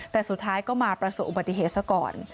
แต่สุดท้ายก็มาประสบอุบัติเหตุซะก่อน